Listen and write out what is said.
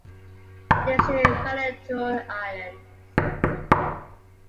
Lives in Vanuatu islands.